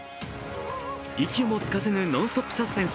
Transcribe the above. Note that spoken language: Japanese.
息もつかせぬノンストップ・サスペンス